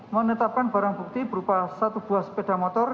menetapkan barang bukti berupa satu buah sepeda motor